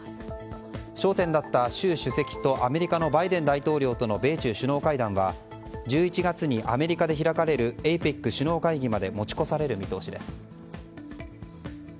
焦点だった、習主席とアメリカのバイデン大統領との米中首脳会談は１１月にアメリカで開かれるＡＰＥＣ首脳会議まで持ち越される見通しです。